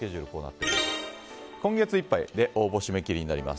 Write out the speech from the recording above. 今月いっぱいで応募締め切りになります。